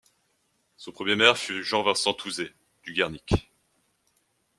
Son premier maire fut Jean-Vincent Touzé du Guernic.